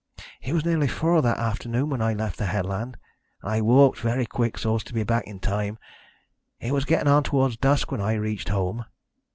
It was nearly four that afternoon when I left the headland, and I walked very quick so as to be back in time. It was getting on towards dusk when I reached home.